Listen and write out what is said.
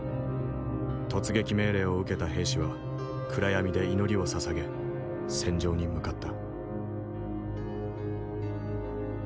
突撃命令を受けた兵士は暗闇で祈りをささげ戦場に向かった。